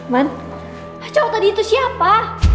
man cowok tadi itu siapa